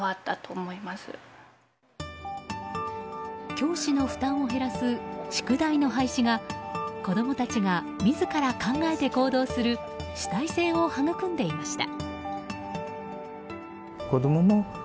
教師の負担を減らす宿題の廃止が子供たちが自ら考えて行動する主体性を育んでいました。